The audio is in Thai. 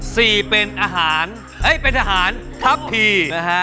สี่เป็นทะหารทับผี